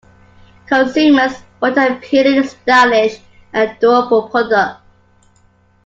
Consumers want an appealing, stylish and durable product.